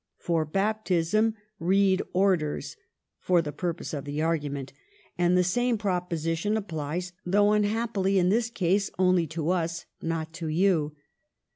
For baptism read orders (for the purpose of the argument), and the same proposition applies, though unhappily in this case only to us, not to you.